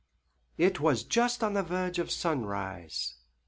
It was just on the verge of sunrise.